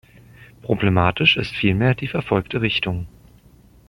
Problematisch ist vielmehr die verfolgte Richtung.